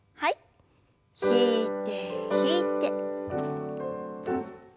引いて引いて。